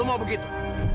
lo mau begitu